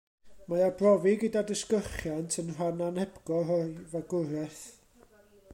Mae arbrofi gyda disgyrchiant yn rhan anhepgor o'i fagwraeth.